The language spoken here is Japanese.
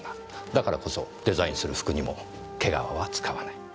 だからこそデザインする服にも毛皮は使わない。